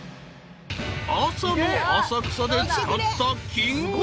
［朝の浅草で使った金額は］